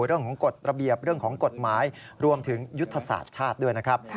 เรื่องของกฎระเบียบเรื่องของกฎหมายรวมถึงยุทธศาสตร์ชาติด้วยนะครับ